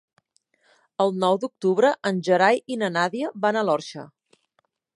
El nou d'octubre en Gerai i na Nàdia van a l'Orxa.